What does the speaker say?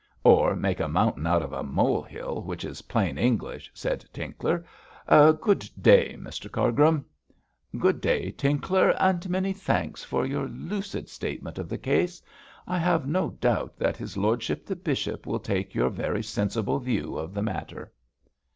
'Or make a mountain out of a mole hill, which is plain English,' said Tinkler. 'Good day, Mr Cargrim.' 'Good day, Tinkler, and many thanks for your lucid statement of the case. I have no doubt that his lordship, the bishop, will take your very sensible view of the matter.'